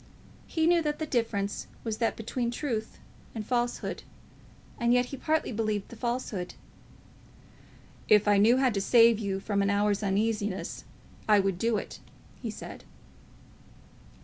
He knew that the difference was that between truth and falsehood; and yet he partly believed the falsehood! "If I knew how to save you from an hour's uneasiness, I would do it," he said.